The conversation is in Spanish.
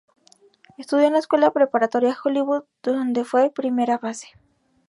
Estudió en la Escuela Preparatoria Hollywood, donde fue primera base.